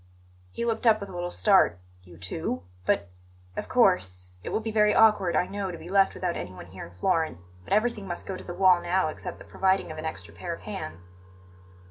He looked up with a little start. "You too? But " "Of course. It will be very awkward, I know, to be left without anyone here in Florence; but everything must go to the wall now except the providing of an extra pair of hands."